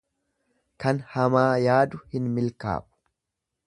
Kan hamaa yaadu hin milkaa'u.